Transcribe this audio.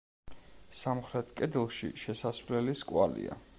სამხრეთ კედელში შესასვლელის კვალია.